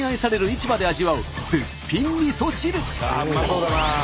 ああうまそうだな。